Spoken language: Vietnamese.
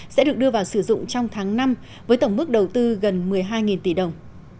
sẽ được đưa vào sử dụng trong tháng năm với tổng mức đầu tư gần một mươi hai tỷ đồng